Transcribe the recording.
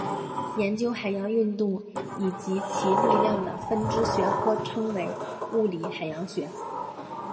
研究海洋运动以及其力量的分支学科称为物理海洋学。